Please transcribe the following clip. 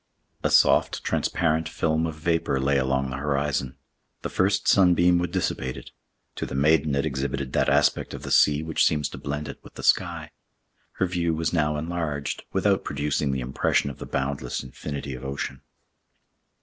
A soft, transparent film of vapor lay along the horizon; the first sunbeam would dissipate it; to the maiden it exhibited that aspect of the sea which seems to blend it with the sky. Her view was now enlarged, without producing the impression of the boundless infinity of ocean.